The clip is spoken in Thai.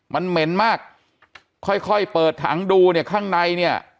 มันเหม็นมากค่อยค่อยเปิดถังดูเนี่ยข้างในเนี่ย